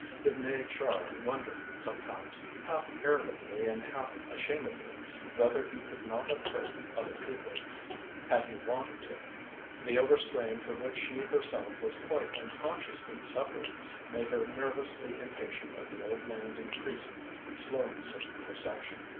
It made Char wonder sometimes, half irritably and half ashamedly, whether he could not have heard other people, had he wanted to. The overstrain from which she herself was quite unconsciously suffering made her nervously impatient of the old man's increasing slowness of perception.